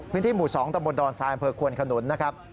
พื้นที่หมู่๒ตำบลดอนทรายอำเภอควนขนุนนะครับ